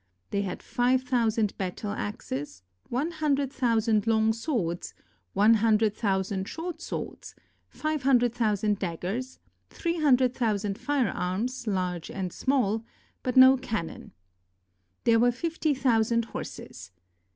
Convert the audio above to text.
They had five thousand battle axes, one hundred thousand long swords, one hundred thousand short swords, five himdred thousand daggers, three hundred thousand firearms, large and small, but no cannon. There were fifty thousand horses.